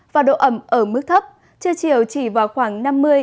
và độ ẩm ở mức thấp trưa chiều chỉ vào khoảng năm mươi sáu mươi